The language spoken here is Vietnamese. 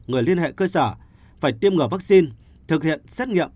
người liên hệ cơ sở phải tiêm ngừa vaccine thực hiện xét nghiệm